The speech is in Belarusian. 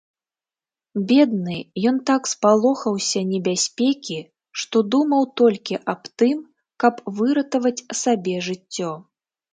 Бедны, ён так спалохаўся небяспекі, што думаў толькі аб тым, каб выратаваць сабе жыццё.